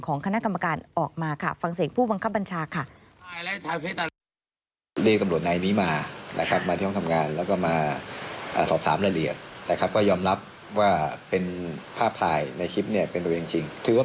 ของคณะกรรมการออกมาฟังเสียงผู้บังคับบัญชา